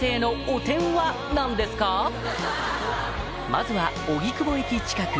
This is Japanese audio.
まずは荻窪駅近く